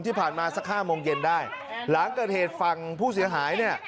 ที่ผ่านมาสักห้าโมงเย็นได้หลังเกิดเหตุฝั่งผู้เสียหายเนี่ย